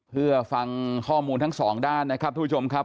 เพื่อฟังข้อมูลทั้งสองด้านนะครับทุกผู้ชมครับ